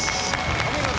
お見事！